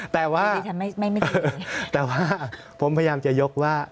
แต่ว่าแต่ว่าผมพยายามจะยกว่า